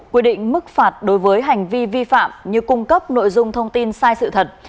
quy định mức phạt đối với hành vi vi phạm như cung cấp nội dung thông tin sai sự thật